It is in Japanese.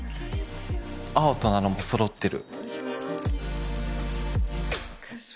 アートなのも揃ってる。